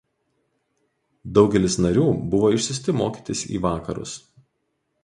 Daugelis karių buvo išsiųsti mokytis į Vakarus.